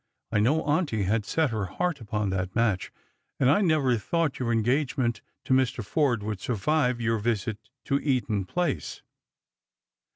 I know auntie had set her heart upon that match, and I never thought your engagement to Mr. Forde would survive your visit to Eaton place."